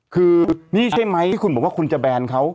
คือนี่ใช่ไหมที่คุณบอกว่าพูดว่าคุณจะแบรนด์เขา